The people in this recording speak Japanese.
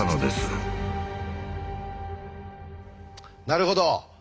なるほど。